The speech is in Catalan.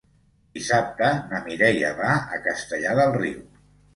Dissabte na Mireia va a Castellar del Riu.